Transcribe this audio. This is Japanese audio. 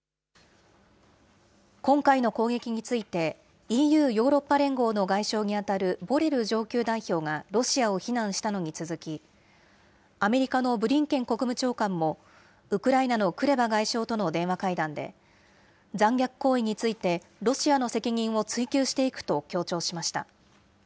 今回の攻撃について、ＥＵ・ヨーロッパ連合の外相に当たるボレル上級代表がロシアを非難したのに続き、アメリカのブリンケン国務長官も、ウクライナのクレバ外相との電話会談で、残虐行為について、ロシアの責任を追及していくと強調しました。